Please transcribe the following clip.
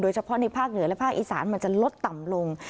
เฉพาะในภาคเหนือและภาคอีสานมันจะลดต่ำลง